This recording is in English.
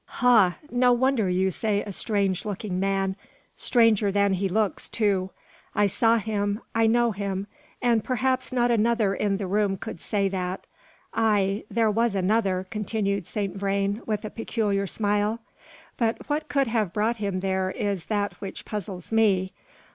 "Ha! No wonder you say a strange looking man; stranger than he looks, too. I saw him, I know him, and perhaps not another in the room could say that. Ay, there was another," continued Saint Vrain, with a peculiar smile; "but what could have brought him there is that which puzzles me.